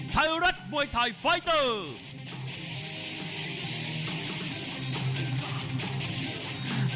ไทยรัฐมวยไทยไฟเตอร์